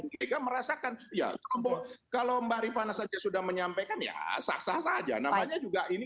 bu mega merasakan ya kalau mbak rivana saja sudah menyampaikan ya sah sah saja namanya juga ini